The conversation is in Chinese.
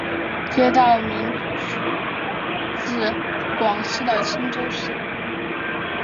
街道名称取自广西的钦州市。